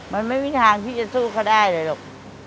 มันไม่มีทางที่จะสู้เขาได้เลยหรอก